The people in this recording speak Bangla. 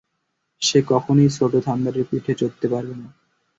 সে কখনোই ছোট্ট থান্ডারের পিঠে চড়তে পারবে না।